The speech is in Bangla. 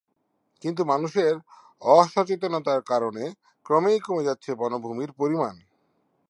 কিন্তু মানুষের অসচেতনতার কারণে ক্রমেই কমে যাচ্ছে বনভূমির পরিমাণ।